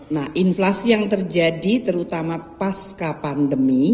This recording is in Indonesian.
nah inflasi yang terjadi terutama pasca pandemi